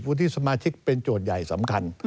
ที่สมาชิกเป็นโจทย์ใหญ่สำคัญ